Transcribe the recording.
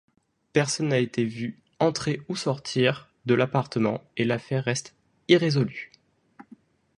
Personne n'a été vu entrer ou sortir de l'appartement et l'affaire reste irrésolue.